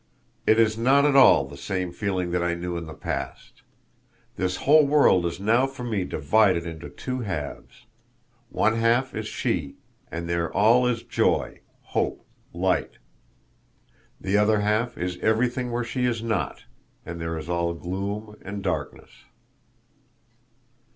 "It is not at all the same feeling that I knew in the past. The whole world is now for me divided into two halves: one half is she, and there all is joy, hope, light: the other half is everything where she is not, and there is all gloom and darkness...."